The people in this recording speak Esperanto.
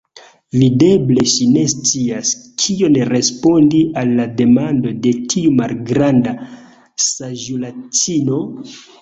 Videble ŝi ne scias, kion respondi al la demando de tiu malgranda saĝulaĉino.